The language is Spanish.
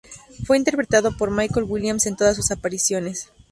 Fue interpretado por Michael Williams en todas sus apariciones.